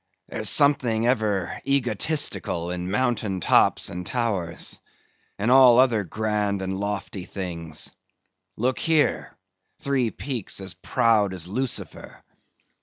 "There's something ever egotistical in mountain tops and towers, and all other grand and lofty things; look here,—three peaks as proud as Lucifer.